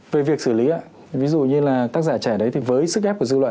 về việc xử lý ạ ví dụ như là tác giả trẻ đấy thì với sức ép của dư luận